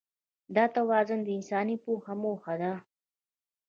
دا توازن د انساني پوهې موخه ده.